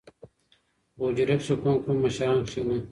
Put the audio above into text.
په حجره کښې کوم کوم مشران کښېني؟